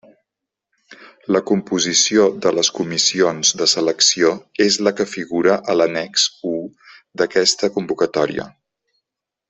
La composició de les comissions de selecció és la que figura a l'annex u d'aquesta convocatòria.